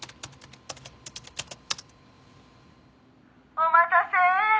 「お待たせ。